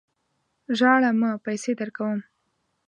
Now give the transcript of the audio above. ژاړه مه ! پیسې درکوم.